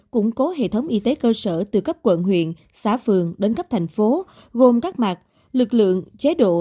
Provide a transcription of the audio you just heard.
củng cố hệ thống y tế cơ sở từ cấp quận huyện xã phường đến cấp thành phố gồm các mặt lực lượng chế độ